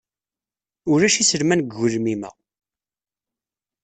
Ulac iselman deg ugelmim-a.